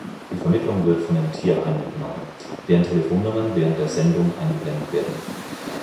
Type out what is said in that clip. Die Vermittlung wird von den Tierheimen übernommen, deren Telefonnummern während der Sendung eingeblendet werden.